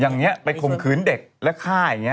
อย่างนี้ไปข่มขืนเด็กแล้วฆ่าอย่างนี้